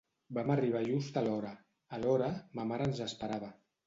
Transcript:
Vam arribar just a l'hora; alhora, ma mare ens esperava.